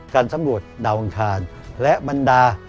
สำรวจดาวอังคารและบรรดา